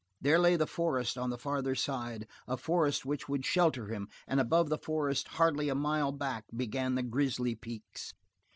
There lay the forest on the farther side, a forest which would shelter him, and above the forest, hardly a mile back, began the Grizzly Peaks.